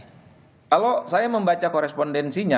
kalau saya membaca korespondensinya